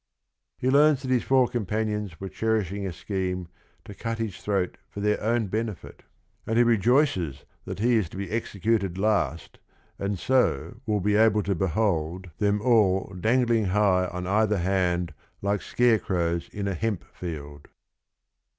He learns that his four companions were "cherishing a scheme" to cut his throat for their own benefit, and he rejoices that he is to be executed last and so will be able to behold GUIDO 185 them all "dangling high on either hand like scare crows in a hempfield."